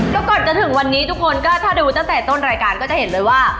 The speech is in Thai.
ก็ก่อนจะถึงวันนี้ทุกคนก็ถ้าดูตั้งแต่ต้นรายการก็จะเห็นเลยว่า